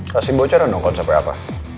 kasih bocoran dong konsepnya apa